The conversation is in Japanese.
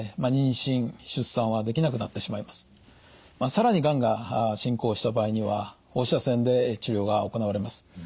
さらにがんが進行した場合には放射線で治療が行われます。